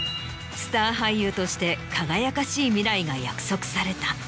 スター俳優として輝かしい未来が約束された。